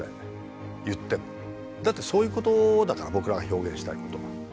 だってそういうことだから僕らが表現したいことは。